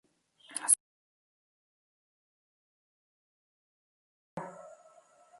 Su color varía desde el blanco marfil hasta el marrón claro.